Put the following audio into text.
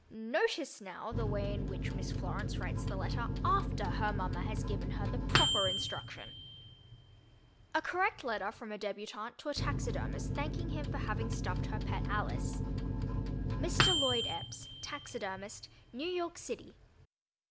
Notice, now, the way in which Miss Florence writes the letter after, her mama has given her the proper instruction. A Correct Letter from a Débutante to a Taxidermist Thanking Him for Having Stuffed Her Pet Alice Mr. Lloyd Epps, Taxidermist, New York City.